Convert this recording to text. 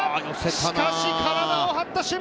しかし体を張った守備。